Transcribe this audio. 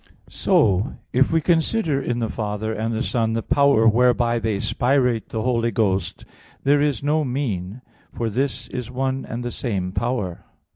So if we consider in the Father and the Son the power whereby they spirate the Holy Ghost, there is no mean, for this is one and the same power.